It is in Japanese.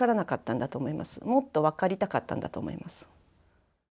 もっと分かりたかったんだと思います。